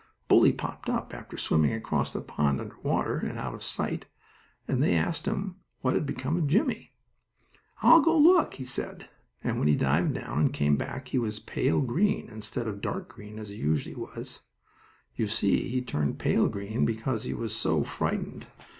Bully popped up, after swimming across the pond under water and out of sight, and they asked him what had become of Jimmie. "I'll go look," he said, and when he dived down, and came back, he was pale green instead of dark green as he usually was. You see he turned pale green because he was so frightened.